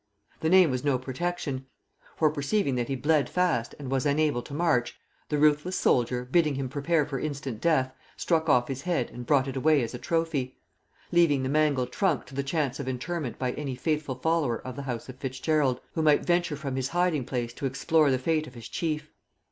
The name was no protection; for perceiving that he bled fast and was unable to march, the ruthless soldier, bidding him prepare for instant death, struck off his head and brought it away as a trophy; leaving the mangled trunk to the chance of interment by any faithful follower of the house of Fitzgerald who might venture from his hiding place to explore the fate of his chief.